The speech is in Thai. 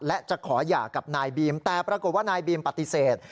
และจะขอหย่ากับนายบีมแต่ปรากฏว่านายบีมปฏิเสธ